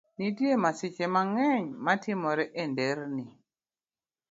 Nitie masiche mang'eny matimore e nderni.